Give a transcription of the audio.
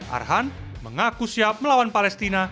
arhan mengaku siap melawan palestina